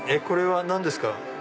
これは何ですか？